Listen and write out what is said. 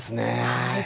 はい。